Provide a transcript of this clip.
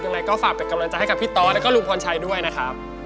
ยังไงก็ฝากเป็นกำลังใจให้กับพี่ตอสแล้วก็ลุงพรชัยด้วยนะครับ